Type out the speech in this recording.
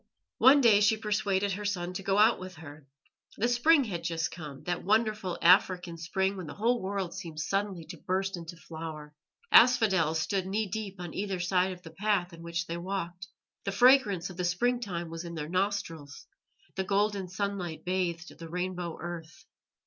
One day she persuaded her son to go out with her. The spring had just come that wonderful African spring when the whole world seems suddenly to burst into flower. Asphodels stood knee deep on either side of the path in which they walked; the fragrance of the springtime was in their nostrils; the golden sunlight bathed the rainbow earth.